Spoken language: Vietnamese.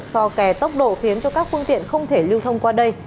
do kè tốc độ khiến cho các phương tiện không thể lưu thông qua đây